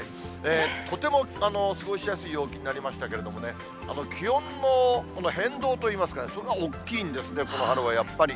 とても過ごしやすい陽気になりましたけどもね、気温の変動といいますかね、それが大きいんですね、この春はやっぱり。